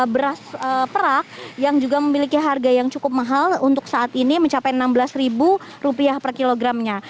beras perak yang juga memiliki harga yang cukup mahal untuk saat ini mencapai rp enam belas per kilogramnya